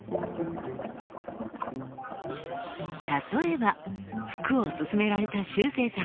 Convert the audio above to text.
例えば服をすすめられたしゅうせいさん。